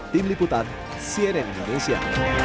tim liputan cnn indonesia